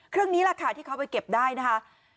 นี้แหละค่ะที่เขาไปเก็บได้นะคะ